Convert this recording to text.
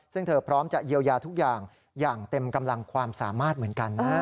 ซึ่งเธอพร้อมจะเยียวยาทุกอย่างอย่างเต็มกำลังความสามารถเหมือนกันนะ